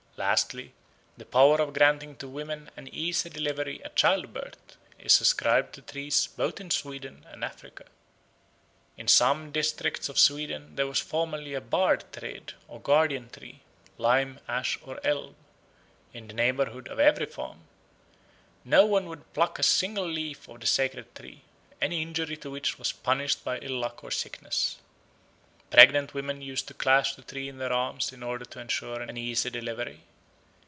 Lastly, the power of granting to women an easy delivery at child birth is ascribed to trees both in Sweden and Africa. In some districts of Sweden there was formerly a bardträd or guardian tree (lime, ash, or elm) in the neighbourhood of every farm. No one would pluck a single leaf of the sacred tree, any injury to which was punished by ill luck or sickness. Pregnant women used to clasp the tree in their arms in order to ensure an easy delivery.